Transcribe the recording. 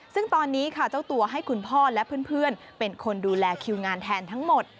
ซึ่งตอนนี้ค่ะเจ้าตัวให้คุณพ่อและเพื่อนเป็นคนดูแลคิวงานแทนทั้งหมด